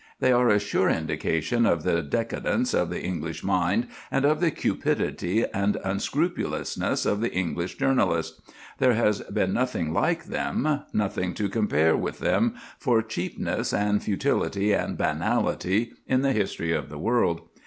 They are a sure indication of the decadence of the English mind and of the cupidity and unscrupulousness of the English journalist. There has been nothing like them, nothing to compare with them, for cheapness and futility and banality in the history of the world.